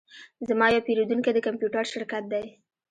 زما یو پیرودونکی د کمپیوټر شرکت دی